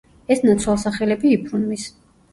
ეს ნაცვალსახელები იბრუნვის.